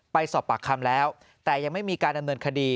ไปสอบปากคำแล้วแต่ยังไม่มีการดำเนินคดี